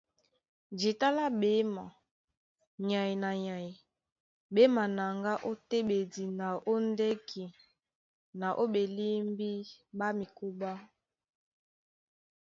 Jǐta lá ɓéma, nyay na nyay ɓé manaŋgá ó téɓedi na ó ndɛ́ki na ó ɓelímbí ɓá mikóɓá.